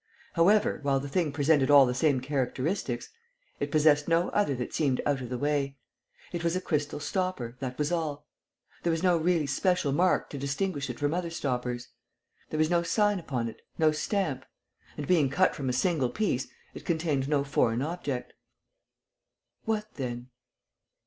However, while the thing presented all the same characteristics, it possessed no other that seemed out of the way. It was a crystal stopper, that was all. There was no really special mark to distinguish it from other stoppers. There was no sign upon it, no stamp; and, being cut from a single piece, it contained no foreign object. "What then?"